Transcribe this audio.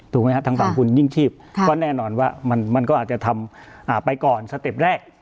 ทางฝั่งคุณยิ่งชีพก็แน่นอนว่ามันก็อาจจะทำไปก่อนสเต็ปแรก